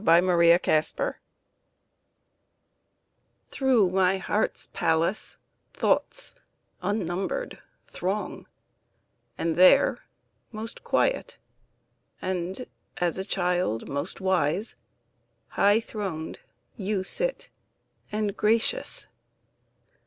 Day and Night Through my heart's palace Thoughts unnumbered throng; And there, most quiet and, as a child, most wise, High throned you sit, and gracious.